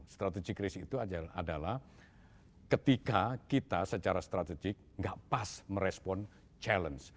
strategic risk itu adalah ketika kita secara strategik nggak pas merespon challenge